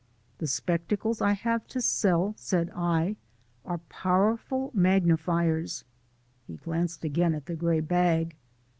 "The Spectacles I have to sell," said I, "are powerful magnifiers" he glanced again at the gray bag.